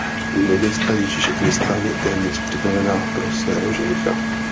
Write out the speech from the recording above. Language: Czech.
Nevěsta Ježíše Krista je téměř připravena pro svého ženicha.